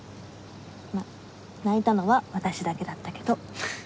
まあ泣いたのは私だけだったけど。